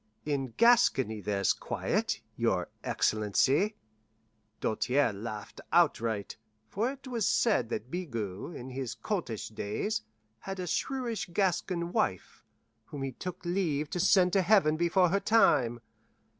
"In Gascony there's quiet, your excellency." Doltaire laughed outright, for it was said that Bigot, in his coltish days, had a shrewish Gascon wife, whom he took leave to send to heaven before her time.